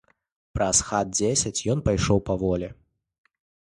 Праз хат дзесяць ён пайшоў паволі.